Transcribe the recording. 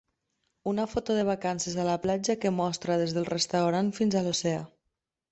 Una foto de vacances a la platja que mostra des del restaurant fins a l'oceà.